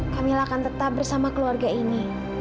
kami akan tetap bersama keluarga ini